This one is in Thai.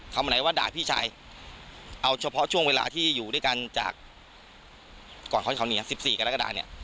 คำไหนว่าด่าพี่ชายเอาเฉพาะช่วงเวลาที่อยู่ด้วยกันจากก่อนคราวนี้๑๔กรกฎาเนี่ย